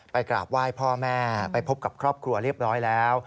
กราบไหว้พ่อแม่ไปพบกับครอบครัวเรียบร้อยแล้ว